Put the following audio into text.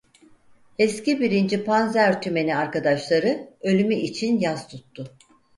Eski birinci Panzer Tümeni arkadaşları ölümü için yas tuttu.